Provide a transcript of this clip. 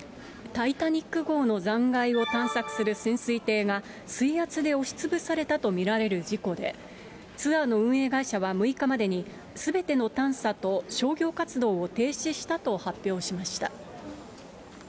タイタニック号の残骸を探索する潜水艇が、水圧で押し潰されたと見られる事故で、ツアーの運営会社は６日までにすべての探査と商業活動を停止したと発表しました。